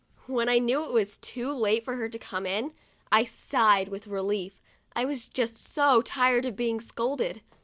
' When I knew it was too late for her to come in, I sighed with relief. I was just so tired of being scolded.